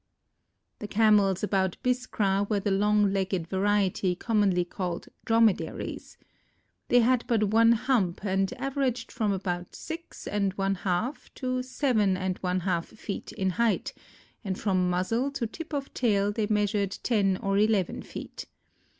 The Camels about Biskra were the long legged variety commonly called Dromedaries. They had but one hump and averaged from about six and one half to seven and one half feet in height; and from muzzle to tip of tail they measured ten or eleven feet.